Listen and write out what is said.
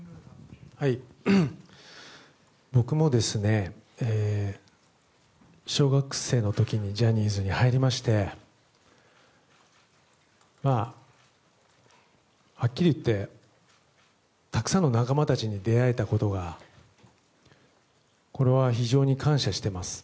僕も小学生の時にジャニーズに入りましてはっきり言って、たくさんの仲間たちに出会えたことが非常に感謝してます。